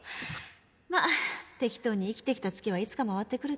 まあ適当に生きてきたツケはいつか回ってくるというか。